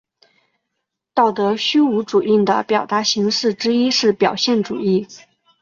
道德虚无主义的表达形式之一是表现主义。